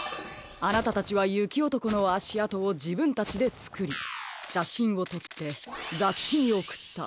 あなたたちはゆきおとこのあしあとをじぶんたちでつくりしゃしんをとってざっしにおくった。